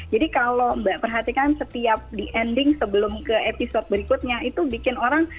jadi kalau mbak perhatikan setiap di ending sebelum ke episode berikutnya itu bikin orang